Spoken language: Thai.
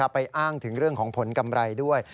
ไปอ้างถึงเรื่องของผลกำไรด้วย